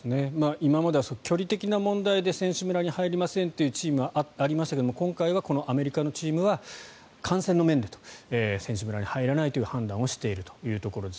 今までは距離的な問題で選手村に入りませんというチームはありましたけど今回はこのアメリカのチームは感染の面で選手村に入らないという判断をしているということです。